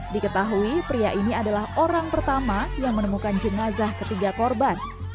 diketahui pria ini adalah orang pertama yang menemukan jenazah ketiga korban